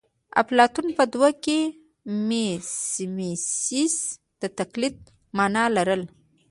اپلاتون په دوره کې میمیسیس د تقلید مانا لرله